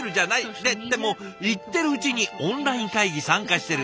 ってでも言ってるうちにオンライン会議参加してる。